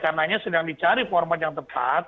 karena sedang dicari format yang tepat